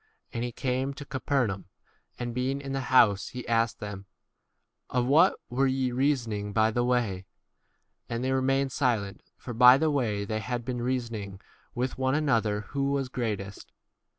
And he came to Capernaum, and being in the house, he asked them, Of what were ye reasoning 1 by the way? 31 And they remained silent, for by the way they had been reasoning with one another who [was] great 35 est.